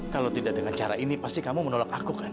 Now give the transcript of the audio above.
kalau tidak dengan cara ini pasti kamu menolak aku kan